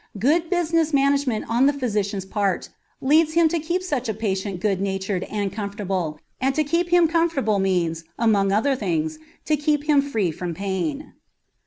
Good business management on the physician's part leads him to keep such a patient good natured and comfortable, and to keep him comfortable means, among other things, to keep him free from pain.